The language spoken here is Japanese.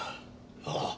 ああ。